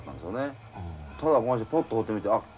ただポッて放ってみてあっ